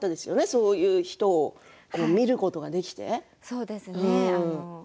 そういう人を見ることができて。